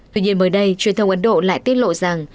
tuy nhiên mới đây truyền thông ấn độ lại tiết lộ rằng